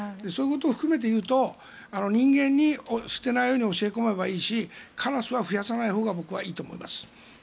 そういうことを含めていうと人間に捨てないように教え込めばいいしカラスは増やさないほうが僕はいいと思います。